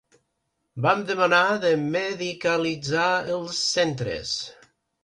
Vam demanar de medicalitzar els centres.